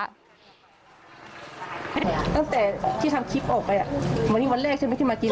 ตั้งแต่ที่ทำคลิปออกไปวันนี้วันแรกใช่ไหมที่มากิน